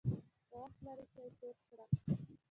که وخت لرې، چای تود کړه!